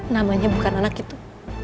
namanya bukan anak itu